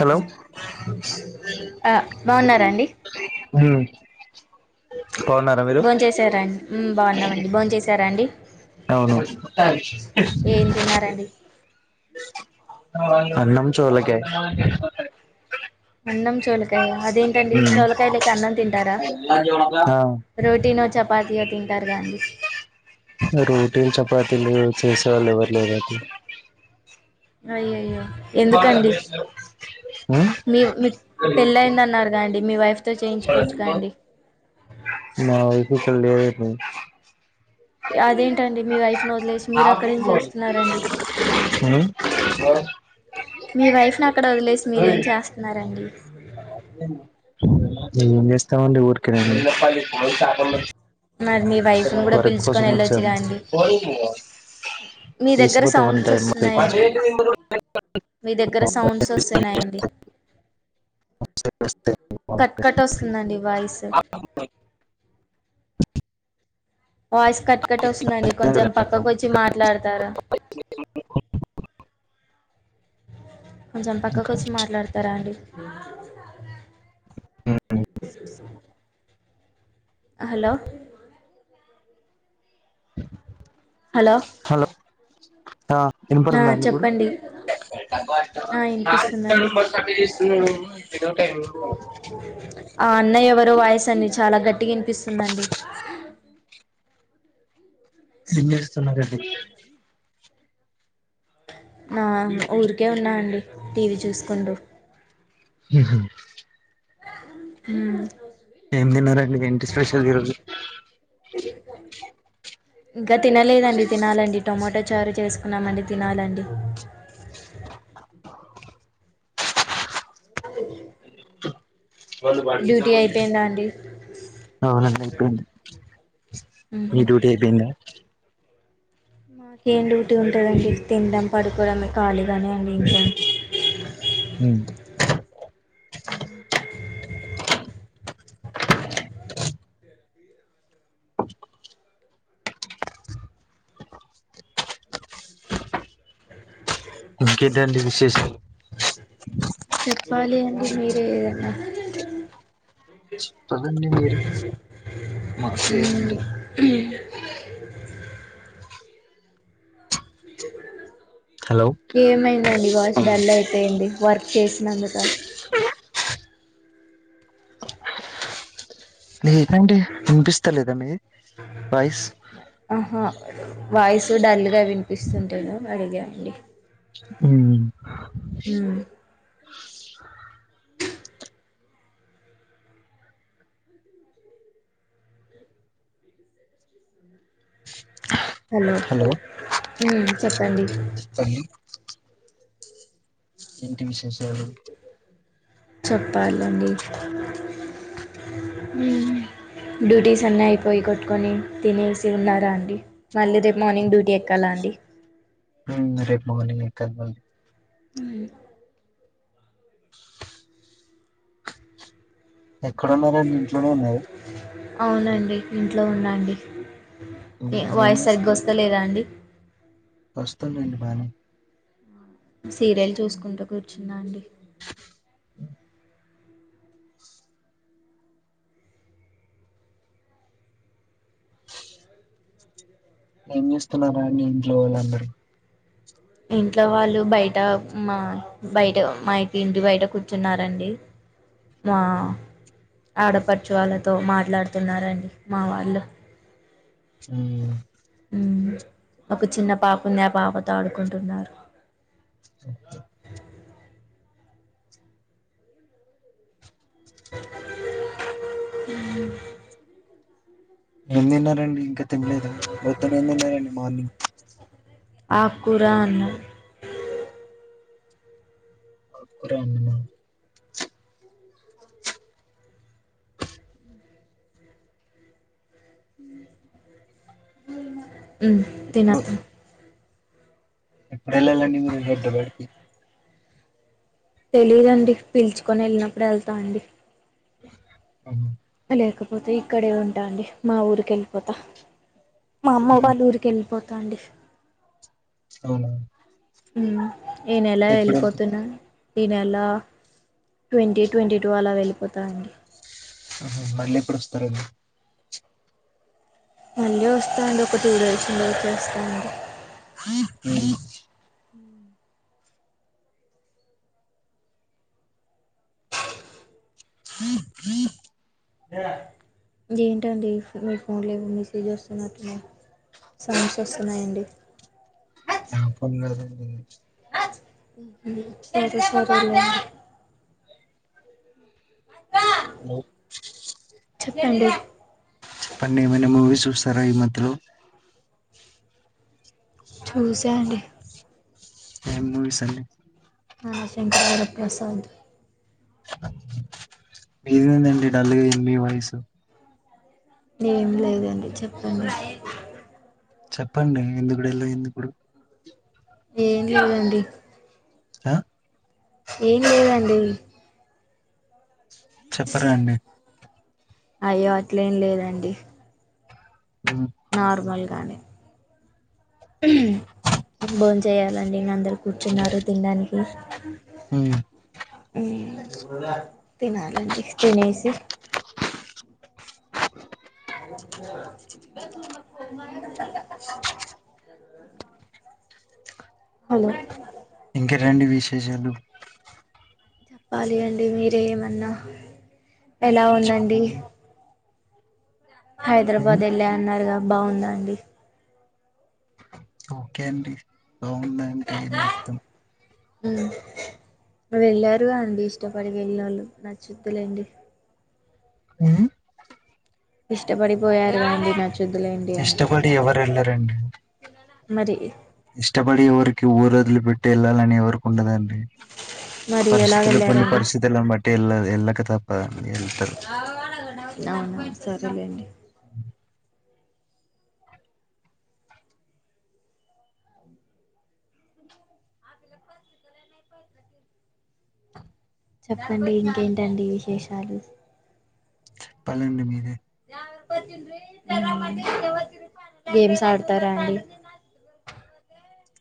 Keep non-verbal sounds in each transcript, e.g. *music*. Hello ఆ బాగున్నారాండి హ భోన్ చేసారా అండి బాగున్నామండి బోన్ చేసారా అండి అవును ఏం తిన్నారండి న్నమ్ చోలక అన్నం చూలకాయ అదేంటండి చూలకాయ లేక అన్నం తింటారా ఆ రోటీనో చపాతయో తింటారు ండి రోటీలు చపాతీలు చేసే వాళ్ళు ఎవ్వరు లేదది అయ్యయ్యో ఎందుకండి ఉమ్ మీ మీ పెళ్ళయింది అన్నారు కదండీ మీ వైఫ్ తో చేయించుకోవచ్చుగా అండి మా వైపు ఇక్కడ లేదు ఇప్పుడు అదేం తండి మీ వైఫ్ను వదిలేసి మీరు అక్కడేం చేస్తున్నారండి ఉమ్ మీ వైఫ్ ని అక్కడ వదిలేసి మీరు ఏం చేస్తున్నారండి ఏం చేస్తామండి ఊరకె మరి మీ వైఫ్ ను కూడా వరి కోసం పిలుచుకొని వచ్చాం వెళ్ళొచ్చుగా అండి మీ దగ్గర తీసుకపోతే వన్ సౌండ్స్ టైం వస్తున్నాయండి *unintelligible* మీ దగ్గర సౌండ్స్ వస్తున్నాయండి కట్ కట్ వస్తుందండి వాయిస్ వాయిస్ కట్ కట్ వస్తుందండి కొంచెం పక్కకు వచ్చి మాట్లాడతారు కొంచెం పక్కకు వచ్చి మాట్లాడతారా అండి హలో హలో హలో ఆ ఆ వినబడుతుందా అండి ఇప్పుడు చెప్పండి ఆ వినిపిస్తుందండి *unintelligible* టైమ్ ఆ అన్నయ్య ఎవరో వాయస్ అన్ని చాలా గట్టిగా వినిపిస్తుందండి సిమ్మేస్తున్నారండి నా ఊరికే ఉన్నా అండి టీవీ చూసుకుంటూ ఉహా *unintelligible* ఏం తిన్నారండి ఏంటి స్పెషల్ ఈరోజు కొడి ఇంకా తినలేదండి తినాలండి టొమాటో చారు చేసుకున్నామండి తినాలండి *inaudible* డ్యూటీ అయిపోయిందా అండి *unintelligible* మీ మ్మ్. డ్యూటీ అయిపోయింద మాకేం డ్యూటీ ఉంటందండి తినడం పడుకోవడంమే ఖాళీగానే అండి ఇంకా హ *inaudible* ఇంకేంటండి విశేషాలు చెప్పాలి అండి మీరే ఏదన్నా పదండి మీరు మాంట మస్తు ఏదంటే మ్మ్ హలో ఏమైందండి వాయిస్ డల్ అయిపోయింది వర్క్ చేసి నందుక *inaudible* లేదంటే అనిపిస్తా లేదా మీ వాయిస్ ఆహా వాయిసు డల్ గా వినిపిస్తుంటేను అడిగా అండి మ్ హ హలో మ్ చెప్పండి చిట్టి తల్లి ఏంటి విశేషలు చెప్పాలండి డ్యూటీస్ అన్ని అయిపోయి కొట్టుకొని తినేసి ఉన్నారా అండి మళ్ళీ రేపు మార్నింగ్ డ్యూటీ ఎక్కాలా అండి అ ఉ రేపు మార్నింగ్ ఎక్కలి మల్లి ఉ ఎక్కడున్నారండి ఇంట్లోనే ఉన్నారు అవునండి ఇంట్లో ఉన్నా అండి మ్మ్ ఏ వాయిస్ సరిగ్గా వస్తా లేదా అండి వస్తుంది అండి బానే సీరియల్ చూసుకుంటు కూర్చుఉన్నా అండి ఏం చేస్తున్నారా అండి ఇంట్లో వాళ్ళుందరూ ఇంట్లో వాళ్ళు బయట మా బయట మా ఇకి ఇంటి బయట కూర్చున్నరండి మా ఆడపడుచు వాళ్లతో మాట్లాడుతున్నారండి మా వాళ్ళు చున్ ఉ ఒక చిన్న పాప ఉంది ఆ పాపతో ఆడుకుంటున్నారు ఏం తిన్నారండి ఇంకా తినలేదా మొత్తం ఏం తిన్నారండి మార్నింగ్ ఆకుకూర అన్నం ఆకుకూర అండి మాది ఉహు ఎప్పుడు తినతో లే లే నివరు హెడ్ వేడికి తెలీదు అండి పిలుచుకొని వెళ్ళినప్పుడు వెళ్తా అండి అ లేకపోతే ఇక్కడే ఉంటా అండి మా ఊరికి వెళ్ళిపోతా మా అమ్మ మ్మ్ వాళ్ళ ఊరికి వెళ్ళిపో తాండి అవును ఉ ఈ నేల వెళ్ళిపోతున్నా ఈ నెల్లా ట్వంటీ ట్వంటీ టూ అలా వెళ్ళిపోతా అండి ఉహు మళ్ళీ ఎప్పుడు వస్తారు మళ్ళీ వస్తా అండి ఒక టూ డేస్ ఉండి వచ్చేస్తా అండి చు స్ీీ ఏంటండి మీ ఫోన్లో ఏమో మెసేజ్ వస్తునట్టు ఉన్నాయి సౌండ్స్ వస్తున్నాయి అండి నా పోన్ లా రింగ్ నుంచు సరే లే గ ఏ అవు చెప్పండి చెప్పండి ఏమైనా మూవీ చూస్తారా ఈ మధ్యలో చూసా అండి ఏం మూవీస్ అండి మన శంకర వరప్రసాద్ ఏం అయ్యింది అండి డల్ గా అయ్యింది వాయిస్ ఏం లేదండి చెప్పండి చెప్పండి ఎందుకు డల్ గా అయ్యింది ఇప్పుడు ఏం లేదండి ఆ ఏం లేదండి చెప్పరా అండి అయ్యో అట్లే ఏం లేదండి ఉమ్ నార్మల్ గానే ఉ బోన్ చేయాలండి ఇంకా అందరు కూర్చున్నారు తినడానికి ఆ తినాలండి తినేసి బసు మ ఫోన్ మ హలో ఇంకేటండి విశేషాలు? చెప్పాలి అండి మీరే ఏమన్నా, ఎలా ఉందండి? ఉమ్ హైదరాబాద్ ఎల్లా అన్నారుగా బాగుందా అండి ఓకె అండి బావుందా అంటే ఏం జెప్తం వెళ్ళారుగా అండి ఇష్టపడి వెళ్లారు నచ్చుద్ది లేండి ఆ ఇష్టపడిపోయారుగా అండి నచ్చుత్ ఇష్టపడి ఎవరెల్లరండి, మరి ఇష్టపడి ఎవర్ పెట్టి ఊరోదిలిపెట్టి ఎళ్లాలని ఎవరుకుంటదండి మరి ఎలా పరిస్థితులు కొన్ని వెళ్ళారండి పరిస్థితిలను బట్టి ఎల్ల ఎల్లక తప్ అవునా సరేలెండి చెప్పండి ఇంకేంటండి విశేషాలు? చెప్పాలండి మీరే ఉమ్ గేమ్స్ ఆడతరా అండి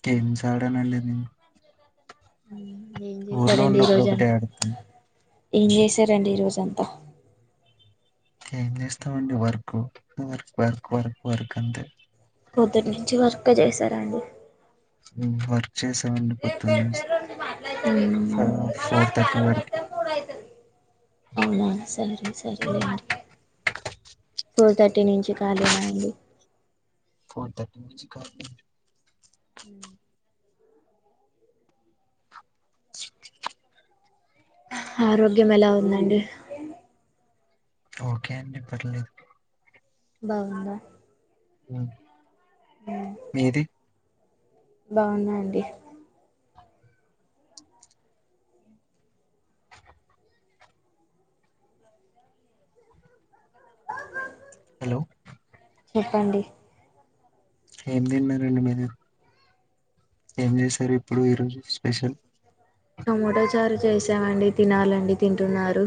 గేమ్స్ ఆడనండి నేను ఉమ్ ఏం ఊర్లో జేశారండి ఈ ఉన్నప్పుడు ఒకటే రోజంతా ఆడతాను ఏం చేశారండి ఈరోజంతా ఏం జేస్తామండి వర్క్ వర్ వర్క్ వర్క్ వర్క్ అంతే కే చేశార అండి ఉమ్ వర్క్ చేసామండి పొద్దున్నే మ్మ్ ఫోర్ ఫోర్ థర్టీ వరకి అవునా సరే సరే అండి ఫోర్ థర్టీ నుంచి కాలినా అండి ఫోర్ థర్టీ నుంచి కాలినే ఉమ్ ఆరోగ్యం ఎలా ఉందండి? ఓకే అండి పర్లేదు బాగుందా ఉమ్ మీది బాగుందండి లో చెప్పండి ఏం దిన్నరండి మీరు ఏం జేశారు ఇప్పుడు ఈరోజు స్పెషల్ టొమోటో చారు చేసా అండి తినాలండి, తింటున్నారు.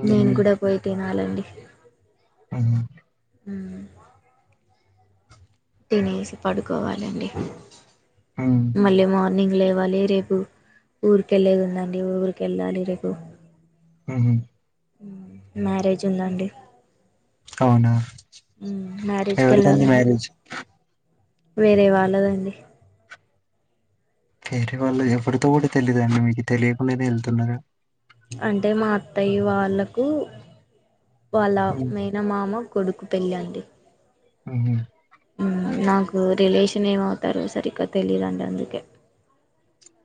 ఉమ్, నేను కూడా పోయి తి ఆలు అండి అవునా ఉమ్ తినేసి పడుకోవాలండి ఉమ్, మళ్ళీ మార్ ర్నింగ్ లేవాలి రేపు ఊరికెళ్ళేదుందండి, ఊరికి ఎళ్ళాలి రేపు ఉ హు హ్మ్ మ్యారేజున్దండి అవునా, మ్యారేజ్కి ఎవరిదుంది వెళ్ళాలని మ్యారేజ్ వేరే వాళ్ళదండి వేరే వాళ్ళు ఎవడుతో కూడా తెలిదు అండి మీకు తెలియకుండానే వెళ్తున్నన్నారు అంటే మా అత్తయ్య వాళ్ళకు వాళ్ళ ఉమ్, మేన మామ కొడుకు పెళ్ళండి ఆహా రిలేషన్ ఏమవుతారో సరిగ్గా తెలీయదండి అందుకే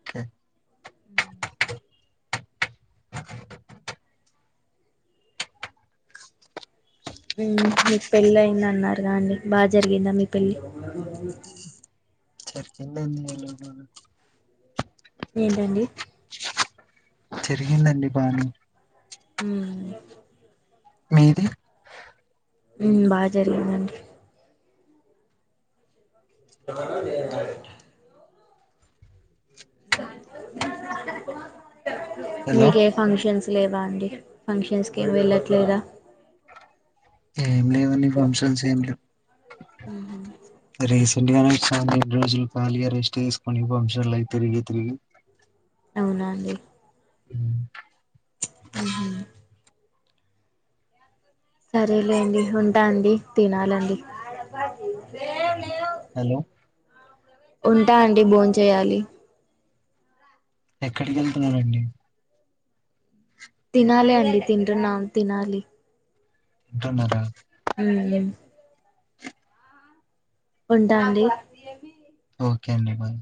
ఓకే, మీకు పెళ్ళి అయింది అన్నారు కా అండి బాగా జరిగిందా మీ పెళ్ళి చెరికి ఎలాగైనా ఏంటండి చెరిగిందండి పానీ హ్మ్మ్ మీది హ్మ్మ్ బా జరిగిందండి హలో మీకే ఫంక్షన్స్ లేవా అండి ఫంక్షన్స్ కి వెళ్ళట్లేదా ఏం లేవనిీ ఫంక్షన్స్ ఏం లేవు రీస్ తండి రెండు రోజులు కలిగ రెస్ట్ తీసుకుని ఫంక్షన్ లై తిరిగి తిరిగి అవునండి హ్మ్మ్ ఉహు సరేలేండి ఉంటా అండి తినాలండి హలో ఉంటా అండి భోన్ చేయాలి ఎక్కడికి వెళ్తున్నారంండి తినాలి అండి తింటున్న తినాలి ఉంటన్నర హ్మ్మ్ హ్మ్మ్ ఉంటా అండి ఓకే అండి బాయ్